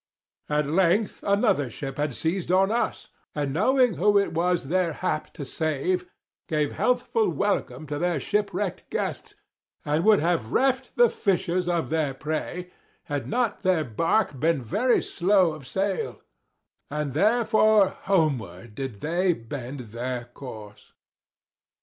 At length, another ship had seized on us; And, knowing whom it was their hap to save, Gave healthful welcome to their shipwreck'd guests; 115 And would have reft the fishers of their prey, Had not their bark been very slow of sail; And therefore homeward did they bend their course.